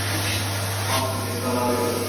Vaktimiz daralıyor.